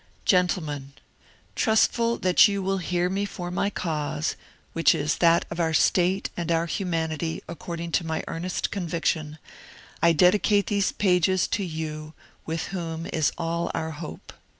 Gentlemen : Trustful that you will ^^ hear me for my cause," which is that of our State and our Humanity according to my earnest conviction, I dedicate these pages to you ^^ with whom is all our hope."